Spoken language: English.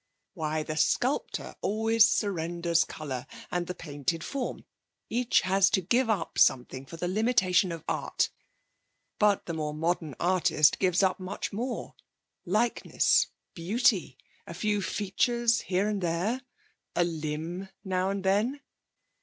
'Why, the sculptor always surrenders colour, and the painted form. Each has to give up something for the limitation of art. But the more modern artist gives up much more likeness, beauty, a few features here and there a limb now and then.'